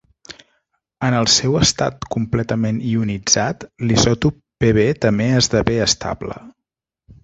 En el seu estat completament ionitzat, l'isòtop Pb també esdevé estable.